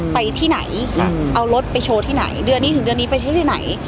ไปที่ไหนเอารถไปโชว์ที่ไหนเดือนนี้ถึงเดือนนี้ไปเที่ยวที่ไหน